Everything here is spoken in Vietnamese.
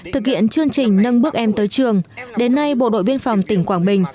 thực hiện chương trình nâng bước em tới trường đến nay bộ đội biên phòng tỉnh quảng bình